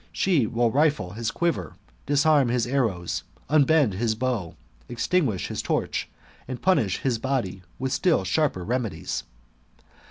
She will rifle his quiver, disarm his arrows, unbend his bow, extinguish his torch, and punish his body with still sharper remedies.